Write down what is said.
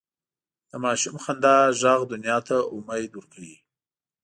د ماشوم خندا ږغ دنیا ته امید ورکوي.